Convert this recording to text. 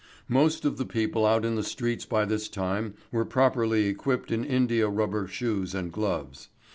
Most of the people out in the streets by this time were properly equipped in indiarubber shoes and gloves.